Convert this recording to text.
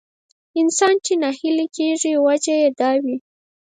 انسان چې ناهيلی کېږي وجه يې دا وي.